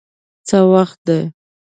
څه وخت دی؟